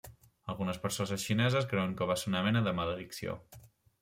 Algunes persones xineses creuen que va ser una mena de maledicció.